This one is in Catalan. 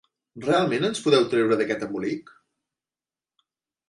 Realment ens podeu treure d'aquest embolic?